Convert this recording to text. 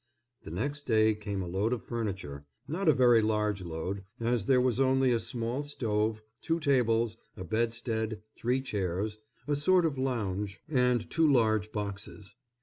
The next day came a load of furniture,—not a very large load, as there was only a small stove, two tables, a bedstead, three chairs, a sort of lounge, and two large boxes.